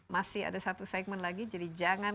masih ada satu segmen lagi jadi jangan